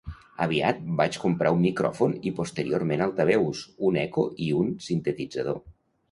Aviat vaig comprar un micròfon i posteriorment altaveus, un eco i un sintetitzador.